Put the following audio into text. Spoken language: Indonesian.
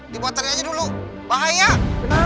dibatalin aja dulu bahayanya